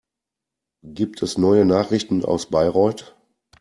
Gibt es neue Nachrichten aus Bayreuth?